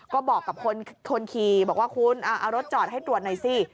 ก็บอกกับคนขี่บอกว่าคุณเอารถจอดให้ตรวจหน่อยสิ